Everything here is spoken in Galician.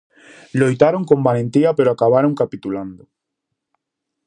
Loitaron con valentía pero acabaron capitulando.